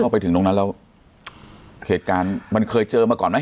ไปถึงตรงนั้นแล้วเหตุการณ์มันเคยเจอมาก่อนไหม